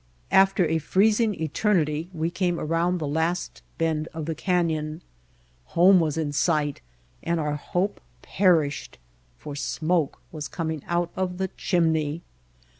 After a freezing eternity we came around the last bend of the canyon. Home was in sight, and our hope perished for smoke was coming out of the chimney!